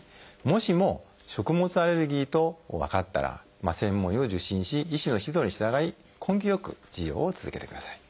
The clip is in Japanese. もしも食物アレルギーと分かったら専門医を受診し医師の指導に従い根気よく治療を続けてください。